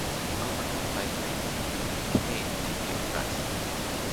Overcome by grief, Joe became deeply depressed.